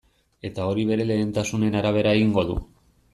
Eta hori bere lehentasunen arabera egingo du.